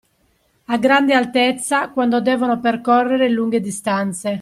A grande altezza quando devono percorrere lunghe distanze.